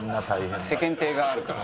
世間体があるから。